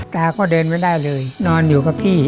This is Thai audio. ตาก็เดินไม่ได้เลยนอนอยู่กับพี่